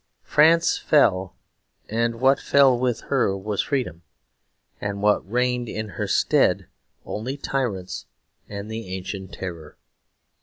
France fell: and what fell with her was freedom, and what reigned in her stead only tyrants and the ancient terror.